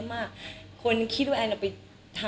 มากคนคิดว่าอันเอาไปทำอะไร